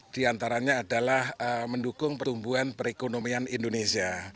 diantaranya adalah mendukung pertumbuhan perekonomian indonesia